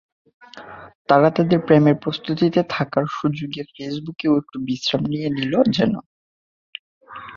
তারা তাদের প্রেমের প্রস্তুতিতে থাকার সুযোগে ফেসবুকও একটু বিশ্রাম নিয়ে নিল যেন।